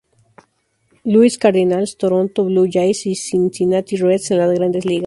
Louis Cardinals, Toronto Blue Jays y Cincinnati Reds en las Grandes Ligas.